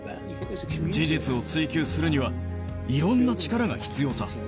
事実を追及するには、いろんな力が必要さ。